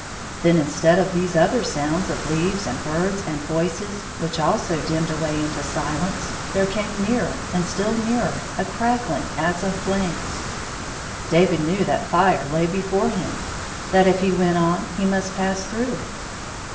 Then instead of these other sounds of leaves and birds and voices, which also dimmed away into silence, there came nearer and still nearer a crackUng as of flames. David knew that fire lay before him ; that if he went on he must pass through it.